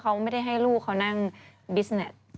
เขาไม่ได้ให้ลูกเขานั่งบิสเน็ต